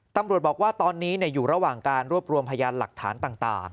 ตำรวจบอกว่าตอนนี้อยู่ระหว่างการรวบรวมพยานหลักฐานต่าง